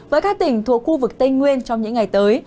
với các tỉnh thuộc khu vực tây nguyên trong những ngày tới